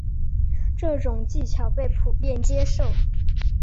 这种技巧被普遍接受。